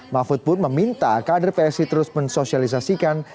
mahfud pun meminta kader psi terus mensosialisasikan